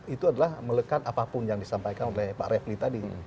itu adalah melekat apapun yang disampaikan oleh pak refli tadi